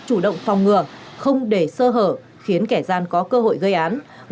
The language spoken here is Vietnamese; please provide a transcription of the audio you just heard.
chủ động phòng ngừa không để sơ hở khiến kẻ gian có cơ hội gây án